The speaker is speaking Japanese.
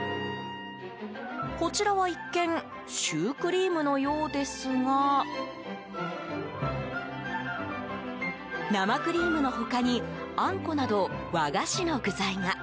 こちらは一見シュークリームのようですが生クリームの他にあんこなど和菓子の具材が。